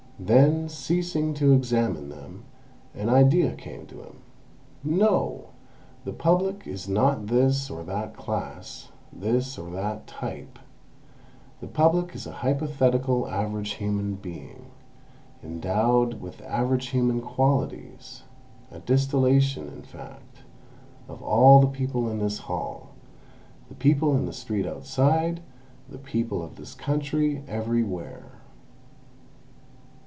Then, ceasing to examine them, an idea came to him. "No! The Public is not this or that class, this or that type; the Public is an hypothetical average human being, endowed with average human qualities—a distillation, in fact, of all the people in this hall, the people in the street outside, the people of this country everywhere."